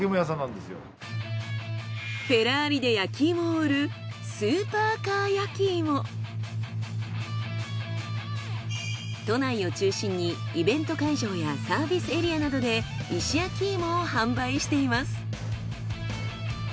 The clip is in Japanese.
フェラーリで焼き芋を売る都内を中心にイベント会場やサービスエリアなどで石焼き芋を販売しています。